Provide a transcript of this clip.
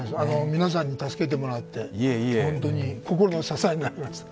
皆さんに助けてもらって、心の支えになりました。